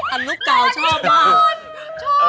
พันนุกกาวชอบมาก